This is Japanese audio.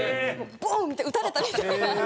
ボン！って打たれたみたいな。